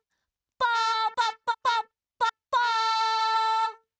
パパパパッパッパ。